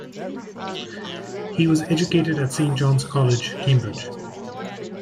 He was educated at Saint John's College, Cambridge.